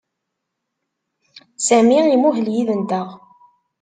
Sami imuhel yid-nteɣ.